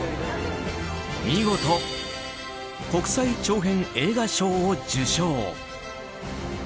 見事、国際長編映画賞を受賞！